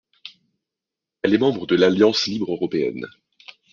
Elle est membre de l’Alliance libre européenne.